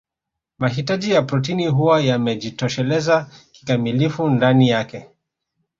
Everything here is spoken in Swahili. Mahitaji ya protini huwa yamejitosheleza kikamilifu ndani yake